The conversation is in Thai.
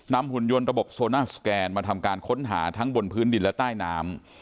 หุ่นยนต์ระบบโซน่าสแกนมาทำการค้นหาทั้งบนพื้นดินและใต้น้ำ